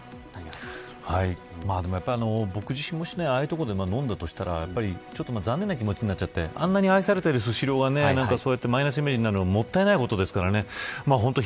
僕自身もしああいった所で飲んだとしたらちょっと残念な気持ちになっちゃってあんなに愛されているスシローがマイナスイメージになるのはもったいないことです。